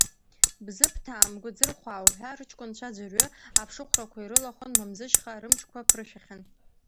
Бзыԥҭаа, Мгәыӡырхәаа уҳәа рыҷкәынцәа аӡәырҩы аԥшыхәрақәа ирылахәын Мамзышьха, рымчқәа ԥыршәахьан.